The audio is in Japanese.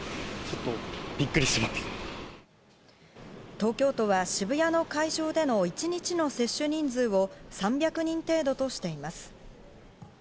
東京都は渋谷の会場での一日の接種人数を３００人程度としています。